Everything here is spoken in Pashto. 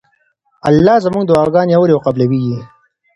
الله زموږ دعاګانې اوري او قبلوي یې.